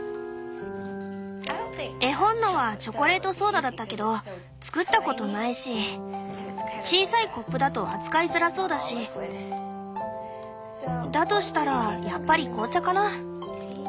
絵本のはチョコレートソーダだったけど作ったことないし小さいコップだと扱いづらそうだしだとしたらやっぱり紅茶かな。